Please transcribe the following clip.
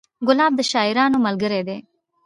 ګلاب د شاعرانو ملګری دی.